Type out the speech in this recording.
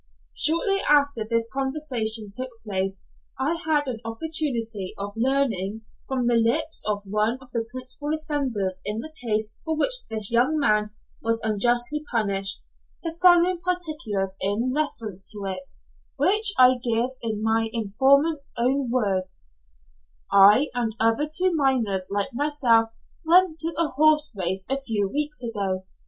Shortly after this conversation took place, I had an opportunity of learning, from the lips of one of the principal offenders in the case for which this young man was unjustly punished, the following particulars in reference to it, which I give in my informant's own words: "I and other two miners like myself went to a horse race a few weeks ago.